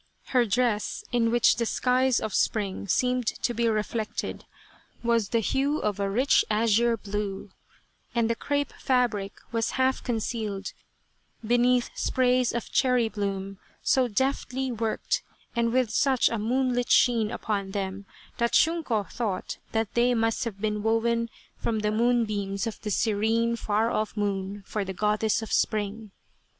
Her dress, in which the skies of spring seemed to be reflected, was the hue of a rich azure blue, and the crepe fabric was half concealed beneath sprays of cherry bloom so deftly worked, and with such a moonlit sheen upon them, that Shunko thought that they must have been woven from the moonbeams of the serene far off moon for the Goddess of Spring